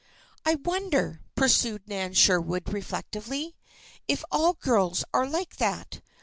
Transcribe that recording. "I wonder," pursued Nan Sherwood, reflectively, "if all girls are like that?